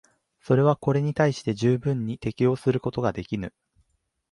それはこれに対して十分に適応することができぬ。